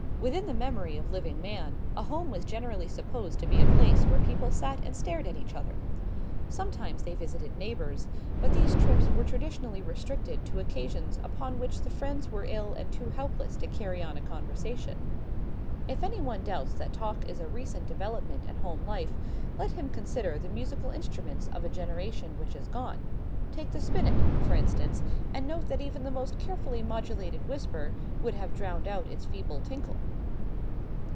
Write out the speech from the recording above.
Within the memory of living man a home was generally supposed to be a place where people sat and stared at each other. Sometimes they visited neighbors, but these trips were traditionally restricted to occasions upon which the friends were ill and too helpless to carry on a conversation. If any one doubts that talk is a recent development in home life, let him consider the musical instruments of a generation which is gone. Take the spinnet, for instance, and note that even the most carefully modulated whisper would have drowned out its feeble tinkle.